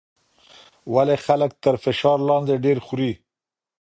ولې خلک تر فشار لاندې ډېر خوري؟